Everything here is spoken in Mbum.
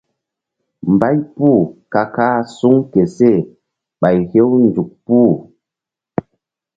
Mbay puh ka kah suŋ ke seh ɓay hew nzuk puh.